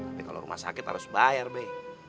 tapi kalo rumah sakit harus bayar be